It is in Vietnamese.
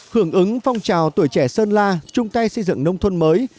hưởng ứng phong trào tuổi trẻ sơn la trung tây xây dựng nông thuần mới